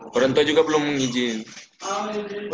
perbantuan juga belum mengijinkan